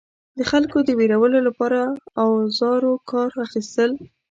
د خلکو د ویرولو لپاره اوزارو کار اخیستل.